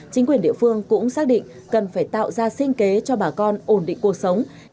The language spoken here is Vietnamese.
chính quyền địa phương cũng xác định cần phải tạo ra sinh kế cho bà con ổn định cuộc sống